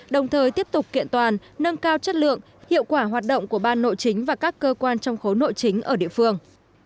đồng thời tiếp tục kiện toàn nâng cao chất lượng hiệu quả hoạt động của ban nội chính và các cơ quan trong khối nội chính ở địa phương